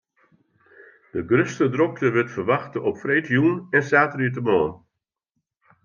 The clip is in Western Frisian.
De grutste drokte wurdt ferwachte op freedtejûn en saterdeitemoarn.